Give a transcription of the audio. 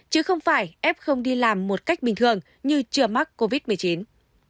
chứ không phải f đi làm một cách bình thường như trường